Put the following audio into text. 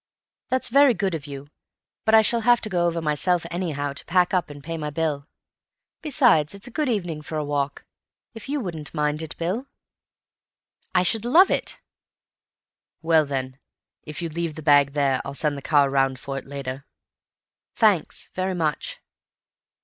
"It's very good of you, but I shall have to go over myself, anyhow, to pack up and pay my bill. Besides, it's a good evening for a walk. If you wouldn't mind it, Bill?" "I should love it." "Well, then, if you leave the bag there, I'll send the car round for it later." "Thanks very much."